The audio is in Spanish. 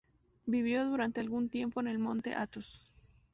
Vivió durante algún tiempo en el Monte Athos.